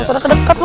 masalah kedeket lo